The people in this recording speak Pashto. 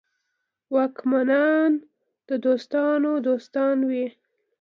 واکمنان د دوستانو دوستان وي.